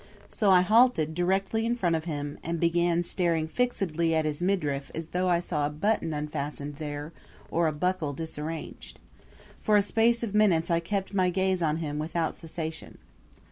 So I halted directly in front of him and began staring fixedly at his midriff as though I saw a button unfastened there or a buckle disarranged. For a space of minutes I kept my gaze on him without cessation.